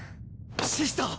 シスター！